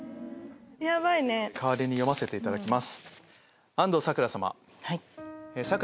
代わりに読ませていただきます。